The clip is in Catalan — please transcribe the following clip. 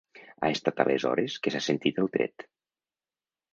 Ha estat aleshores que s’ha sentit el tret.